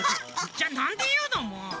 じゃなんでいうのもう。